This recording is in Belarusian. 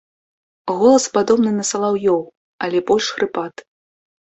Голас падобны на салаўёў, але больш хрыпаты.